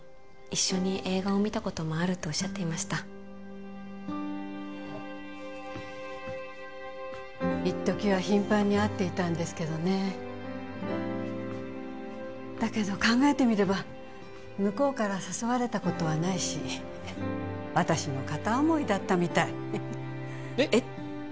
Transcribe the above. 一緒に映画を見たこともあるとおっしゃっていましたいっときは頻繁に会っていたんですけどねだけど考えてみれば向こうから誘われたことはないし私の片思いだったみたいえっ？えっ？